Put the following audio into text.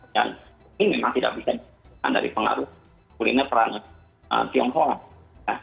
ini memang tidak bisa dari pengaruh kuliner peran tionghoa